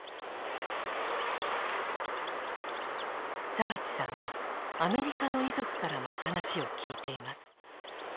澤地さんはアメリカの遺族からも話を聞いています。